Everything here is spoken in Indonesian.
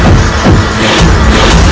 aku akan mencari penyelesaianmu